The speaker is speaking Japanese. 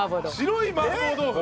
白い麻婆豆腐？